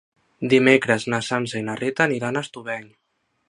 Dimecres na Sança i na Rita aniran a Estubeny.